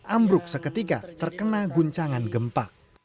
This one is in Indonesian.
ambruk seketika terkena guncangan gempa